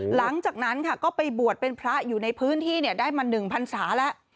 หลังจากนั้นค่ะก็ไปบวชเป็นพระอยู่ในพื้นที่ได้มา๑พันศาแล้ว